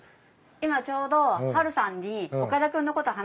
今ちょうどハルさんに岡田君のこと話してたんですよ。